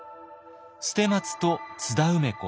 捨松と津田梅子